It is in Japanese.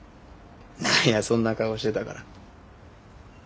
何やそんな顔してたから。